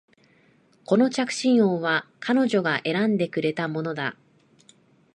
この着信音は彼女が選んでくれたものだ